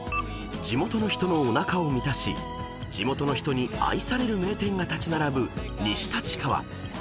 ［地元の人のおなかを満たし地元の人に愛される名店が立ち並ぶ西立川］